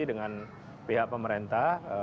dengan pihak pemerintah